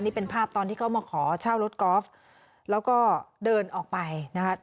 นี่เป็นภาพตอนที่เขามาขอเช่ารถกอล์ฟแล้วก็เดินออกไปนะคะ